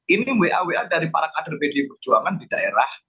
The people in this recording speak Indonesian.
ini wa wa dari para kader pdi perjuangan di daerah